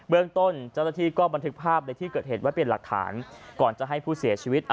เบื้องต้นจรฐีก็บันทึกภาพใดที่เกิดเหตุไว้เปลี่ยนหลักฐานก่อนจะให้ผู้เสียชีวิต